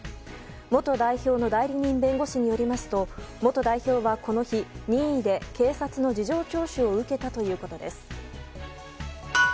元代表の代理人弁護士によりますと元代表はこの日任意で警察の事情聴取を受けたということです。